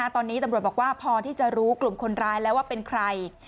ตอนนี้ตำรวจบอกว่าพอที่จะรู้กลุ่มคนร้ายแล้วว่าเป็นใคร